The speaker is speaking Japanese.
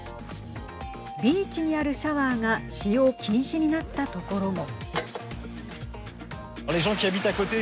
ビーチにあるシャワーが使用禁止になった所も。